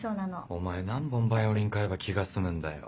お前何本バイオリン買えば気が済むんだよ？